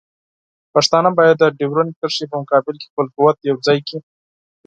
پښتانه باید د ډیورنډ کرښې په مقابل کې خپل قوت یوځای کړي.